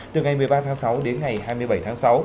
từ ngày một mươi ba tháng sáu đến ngày hai mươi bảy tháng sáu